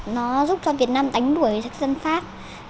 nó giúp cho việt nam đánh đuổi dân pháp này